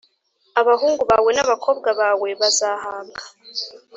Abahungu bawe n abakobwa bawe bazahabwa